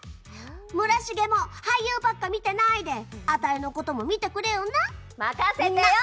村重も俳優ばっか見てないでアタイのことも見てくれよな任せてよ！